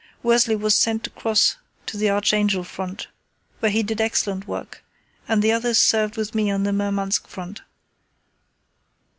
Worsley was sent across to the Archangel front, where he did excellent work, and the others served with me on the Murmansk front.